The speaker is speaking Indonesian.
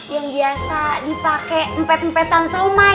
yang biasa dipake empet empetan saumai